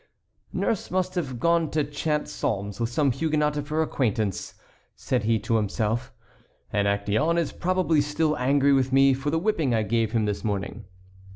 "Nurse must have gone to chant psalms with some Huguenot of her acquaintance," said he to himself; "and Actéon is probably still angry with me for the whipping I gave him this morning."